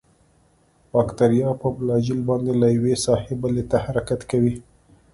باکتریا په فلاجیل باندې له یوې ساحې بلې ته حرکت کوي.